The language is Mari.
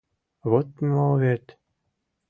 Вот мо вет...